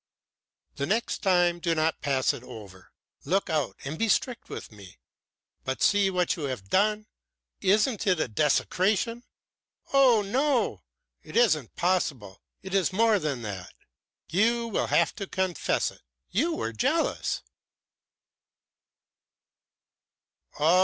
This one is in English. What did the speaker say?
"The next time do not pass it over! Look out and be strict with me. But see what you have done! Isn't it a desecration? Oh no! It isn't possible, it is more than that. You will have to confess it you were jealous."